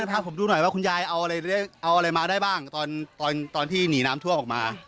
พาผมดูหน่อยว่าคุณยายเอาอะไรมาได้บ้างตอนที่หนีน้ำท่วมออกมา